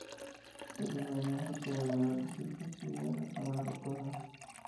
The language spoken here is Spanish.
Especie marina asociada a arrecifes y zonas rocosas.